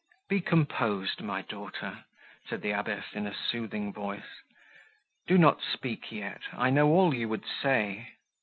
"Be composed, my daughter," said the abbess in a soothing voice, "do not speak yet; I know all you would say.